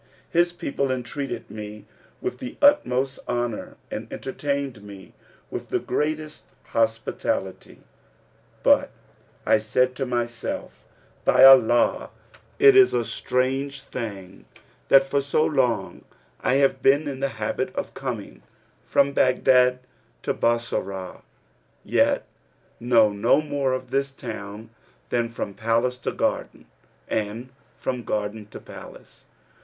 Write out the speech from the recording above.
His people entreated me with the utmost honour and entertained me with the greatest hospitality; but said I to myself, 'By Allah, it is a strange thing that for so long I have been in the habit of coming from Baghdad to Bassorah, yet know no more of this town than from palace to garden and from garden to palace.